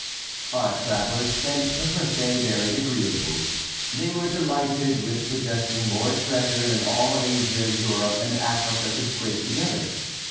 Our travellers spent the first day very agreeably. They were delighted with possessing more treasure than all Asia, Europe, and Africa could scrape together.